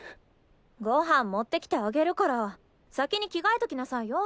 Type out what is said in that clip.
ご飯持ってきてあげるから先に着替えときなさいよ。